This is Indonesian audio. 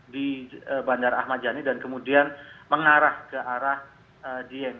di bandara ahmad jani dan kemudian mengarah ke arah dieng